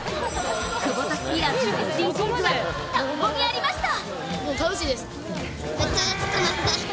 クボタスピアーズのＳＤＧｓは田んぼにありました。